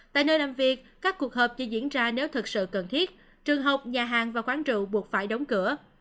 tại nơi làm việc các cuộc họp chỉ diễn ra nếu thực sự cần thiết trường học nhà hàng và quán trụ buộc phải đóng cửa